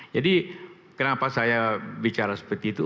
jadi kenapa saya bicara seperti itu